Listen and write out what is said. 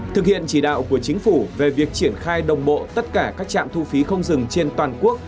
thực hiện chỉ đạo của chính phủ về việc triển khai đồng bộ tất cả các trạm thu phí không dừng trên toàn quốc